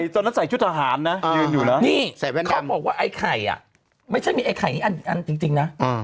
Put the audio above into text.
ตอนนั้นใส่ชุดทหารนะตอนนี่เขาบอกว่าไอ้ไข่ไอ้ไข่นี้อันจริงนะ